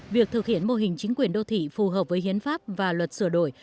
việc thực hiện mô hình chính quyền đô thị phù hợp với hiến pháp và luật sửa đổi